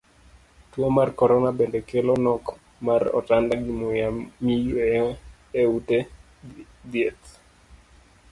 Tuo mar korona bende kelo nok mar otanda gi muya miyueyo e ute dhieth